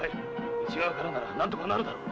内側からなら何とかなるだろう。